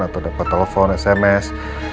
atau dapet telepon sms